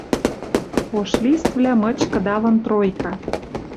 Ош листвлӓ мыч кыдалын тройка.